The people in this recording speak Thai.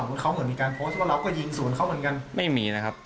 คืออาหุ้ดมีดอะไรก็ยังไม่มีเลยไหม